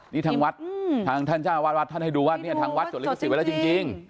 นี่ทางวัดทางท่านเจ้าวาดวัดท่านให้ดูว่าเนี่ยทางวัดจดลิขสิทธิไว้แล้วจริง